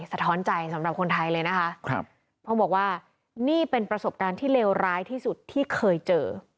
สะท้อนใจสำหรับคนไทยเลยนะคะครับเพราะบอกว่านี่เป็นประสบการณ์ที่เลวร้ายที่สุดที่เคยเจอ